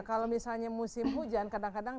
kalau misalnya musim hujan kadang kadang